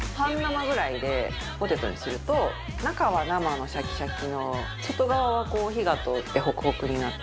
中は生のシャキシャキの外側はこう火が通ってホクホクになって。